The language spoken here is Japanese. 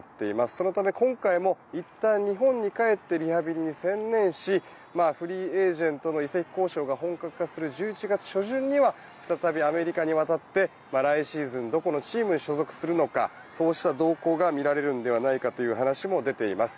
そのため、今回もいったん日本に帰ってリハビリに専念しフリーエージェントの移籍交渉が本格化する１１月初旬には再びアメリカに渡って来シーズンどこのチームに所属するのかそうした動向が見られるのではないかという話も出ています。